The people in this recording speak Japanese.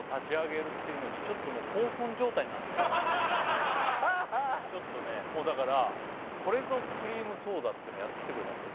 どうやらねもうフットワークとちょっとねもうだからこれぞクリームソーダっていうのやってきてくれたわけ？